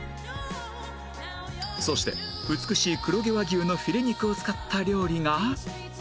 そして美しい黒毛和牛のフィレ肉を使った料理が